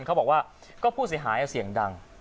เขาบอกว่าก็ผู้เสียหายเสียงดัง